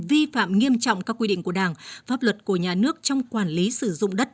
vi phạm nghiêm trọng các quy định của đảng pháp luật của nhà nước trong quản lý sử dụng đất